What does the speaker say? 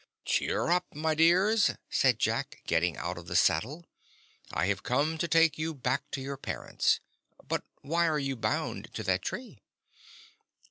"Cheer up, my dears," said Jack, getting out of the saddle. "I have come to take you back to your parents. But why are you bound to that tree?"